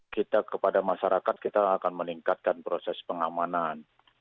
kita kepada masyarakat kita akan meningkatkan proses pengamanan